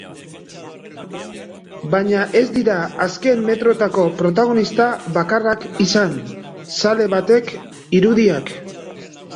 Baina ez dira azken metrotako protagonista bakarrak izan, zale batek irudiak.